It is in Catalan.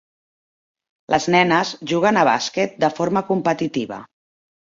Les nenes juguen a bàsquet de forma competitiva